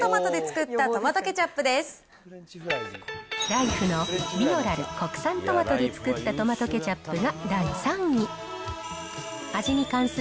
ライフのビオラル国産トマトで作ったトマトケチャップです。